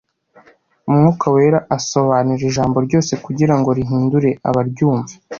Umwuka wera asobanura ijambo ryose kugira ngo rihindure abaryumva.